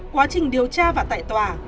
quá trình điều tra và tải tòa